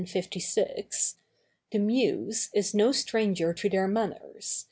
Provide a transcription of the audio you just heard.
56, "The Muse is no stranger to their manners.